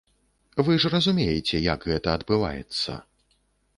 Вы ж разумееце, як гэта адбываецца.